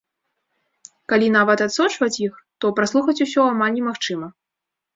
Калі, нават, адсочваць іх, то праслухаць усё амаль немагчыма.